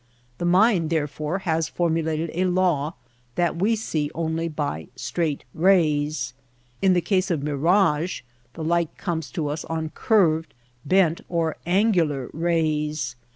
The mind, therefore, has formu lated a law that we see only by straight rays. In the case of mirage the light comes to us on curved, bent, or angular rays.